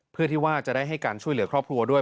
เพื่อที่ว่าจะได้ให้การช่วยเหลือครอบครัวด้วย